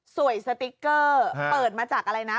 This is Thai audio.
สติ๊กเกอร์เปิดมาจากอะไรนะ